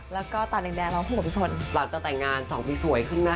แล้วก็ตาแดงเราพูดกับพี่ทนหลังจากแต่งงาน๒ปีสวยขึ้นนะ